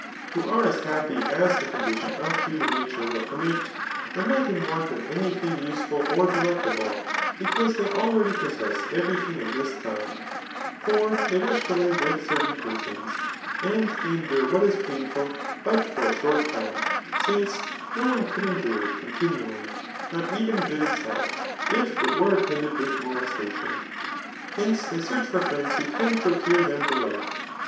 who are as happy as the condition of human nature will permit,] are not in want of any thing useful or delectable, ([because they already possess every thing of this kind]^ For they wish to live with certain persons ; and they en dure what is painful but for a short time ; since no one could endure it continually, not even good itself, if it were attended with molestation. Hence, they seardi for friends who can procure them delight.